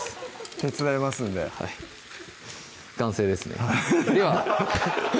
手伝いますんではい完成ですね